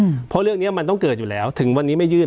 อืมเพราะเรื่องมาต้องเกิดอยู่แล้วถึงวันนี้ไม่ยื่น